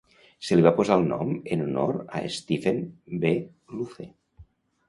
Se li va posar el nom en honor a Stephen B. Luce.